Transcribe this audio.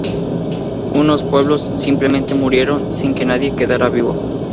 Unos pueblos simplemente murieron sin que nadie quedará vivo.